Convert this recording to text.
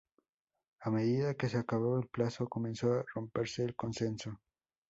A medida que se acababa el plazo, comenzó a romperse el consenso.